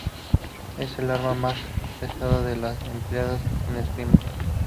Es el arma más pesada de las empleadas en esgrima.